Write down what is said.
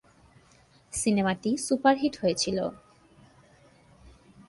সিনেমাটি সুপারহিট হয়েছিল।